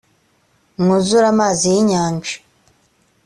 mwuzure amazi y inyanja